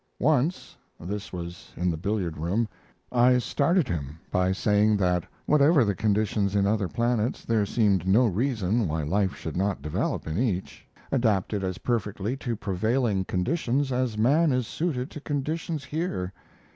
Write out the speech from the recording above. Once (this was in the billiard room) I started him by saying that whatever the conditions in other planets, there seemed no reason why life should not develop in each, adapted as perfectly to prevailing conditions as man is suited to conditions here.